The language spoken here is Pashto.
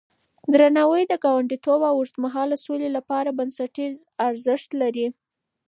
درناوی د ګاونډيتوب او اوږدمهاله سولې لپاره بنسټيز ارزښت لري.